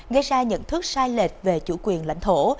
gây ra nhận thức sai lệch về chủ quyền lãnh thổ